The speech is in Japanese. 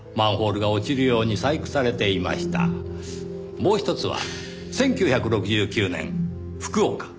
もうひとつは１９６９年福岡。